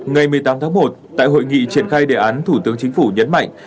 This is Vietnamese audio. ngày một mươi tám tháng một tại hội nghị triển khai đề án thủ tướng chính phủ nhấn mạnh